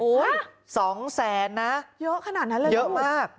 อุ๊ยสองแสนนะเยอะขนาดนั้นเลยโอ๊ยเยอะมาก